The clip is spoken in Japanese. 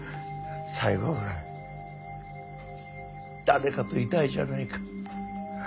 最後ぐらい誰かといたいじゃないか。